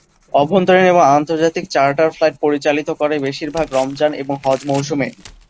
অভ্যন্তরীণ এবং আন্তর্জাতিক চার্টার ফ্লাইট পরিচালিত করে, বেশিরভাগ রমজান এবং হজ্ব মৌসুমে।